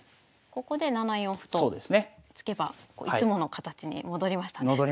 ここで７四歩と突けばいつもの形に戻りましたね。